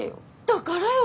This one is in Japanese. だからよ。